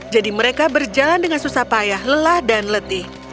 jadi mereka berjalan dengan susah payah lelah dan letih